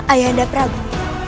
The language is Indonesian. ayah anda prabu